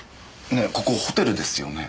ねえここホテルですよね？